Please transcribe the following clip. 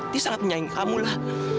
dia sangat menyayangi kamu lah